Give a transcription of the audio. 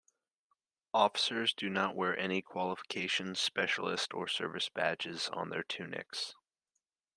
Officers do not wear any qualification, specialist, or service badges on their tunics.